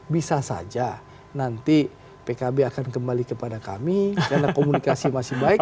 bisa saja nanti pkb akan kembali kepada kami karena komunikasi masih baik